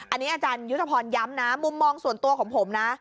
อันนี้อาจารยุทธพรย้ำนะมุมมองส่วนตัวของผมนะ